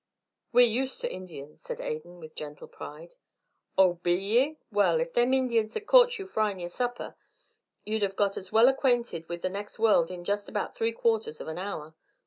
"We're used to Indians," said Adan, with gentle pride. "Oh, be ye? Well, if them Indians had caught you fryin' your supper, you'd have got as well acquainted with the next world in just about three quarters of an hour.